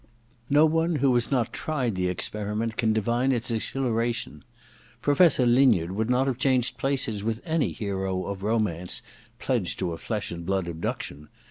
No one who has not tried the experiment can divine its exhilaration. Professor Linyard would not have changed places with any hero of romance pledged to a flesh and blood abduction.